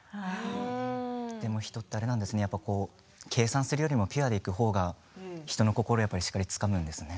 人って計算でいくよりもピュアな方が人の心をしっかりつかむんですね。